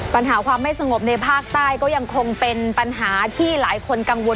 ปัญหาความไม่สงบในภาคใต้ก็ยังคงเป็นปัญหาที่หลายคนกังวล